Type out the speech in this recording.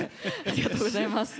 ありがとうございます。